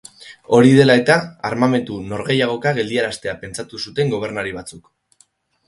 Hori dela-eta, armamentu-norgehiagoka geldiaraztea pentsatu zuten gobernari batzuk.